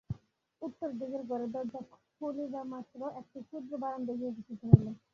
উত্তরদিকের ঘরের দরজা খুলিবামাত্র একটি ক্ষুদ্র বারান্দায় গিয়া উপস্থিত হইলাম।